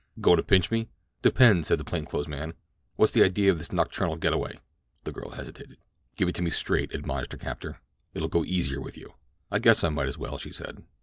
"Goin' to pinch me?" "Depends," replied the plain clothes man. "What's the idea of this nocturnal get away." The girl hesitated. "Give it to me straight," admonished her captor. "It'll go easier with you." "I guess I might as well," she said.